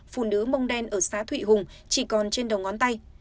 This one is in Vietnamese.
phụ nữ mông đen ở xã thụy hùng chỉ còn trên đầu ngón tay